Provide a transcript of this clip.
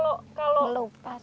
oh kalau batunya ini tidak rata